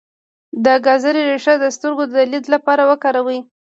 د ګازرې ریښه د سترګو د لید لپاره وکاروئ